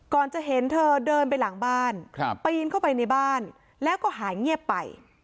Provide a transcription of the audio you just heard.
จะเห็นเธอเดินไปหลังบ้านปีนเข้าไปในบ้านแล้วก็หายเงียบไป